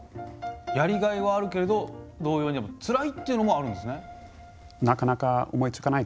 やりがいはあるけれど同様につらいっていうのもあるんですね。